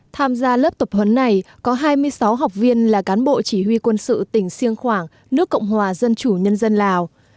tham gia lớp tập huấn này có hai mươi sáu học viên là cán bộ chỉ huy quân sự tỉnh siêng khoảng nước cộng hòa dân chủ nhân dân lào